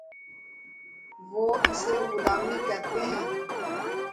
وہ اسے غلامی کہتے ہیں۔